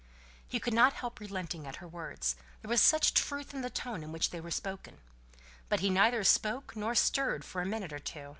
He could not help relenting at her words; there was such truth in the tone in which they were spoken. But he neither spoke nor stirred for a minute or two.